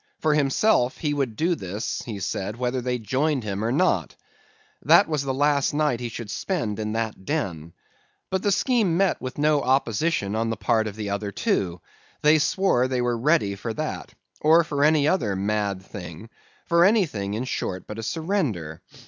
For himself, he would do this, he said, whether they joined him or not. That was the last night he should spend in that den. But the scheme met with no opposition on the part of the other two; they swore they were ready for that, or for any other mad thing, for anything in short but a surrender.